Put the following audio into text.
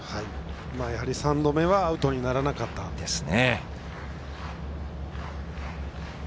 やはり３度目はアウトにならなかった。ですね。